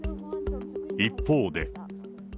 一方で。